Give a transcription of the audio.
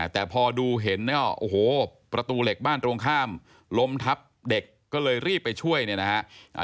แต่พอดูเห็นประตูเหล็กบ้านตรงข้ามล้มทับเด็กก็เลยรีบไปช่วยนะครับ